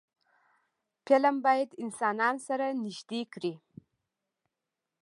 فلم باید انسانان سره نږدې کړي